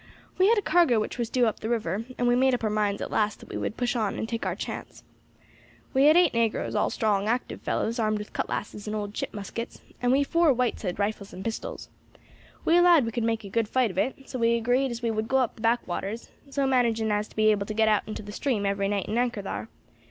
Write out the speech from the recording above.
We had a cargo which was due up the river, and we made up our minds at last that we would push on and take our chance. We had eight negroes, all strong active fellows, armed with cutlasses and old ship muskets, and we four whites had rifles and pistols. We allowed we could make a good fight of it, so we agreed as we would go up the back waters, so managing as to be able to get out into the stream every night and anchor thar.